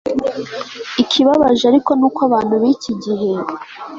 Ikibabaje ariko ni uko abantu biki gihe